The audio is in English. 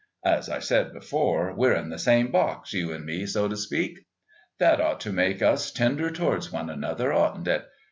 As I said before, we're in the same box, you and me, so to speak. That ought to make us tender towards one another, oughtn't it?